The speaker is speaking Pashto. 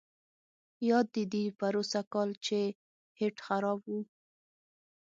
یاد دي دي پروسږ کال چې هیټ خراب وو.